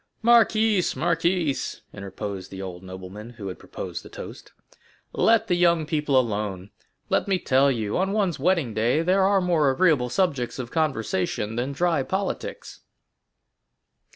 "Marquise, marquise!" interposed the old nobleman who had proposed the toast, "let the young people alone; let me tell you, on one's wedding day there are more agreeable subjects of conversation than dry politics."